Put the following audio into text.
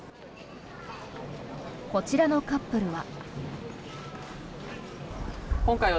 こちらのカップルは。